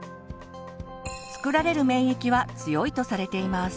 作られる免疫は強いとされています。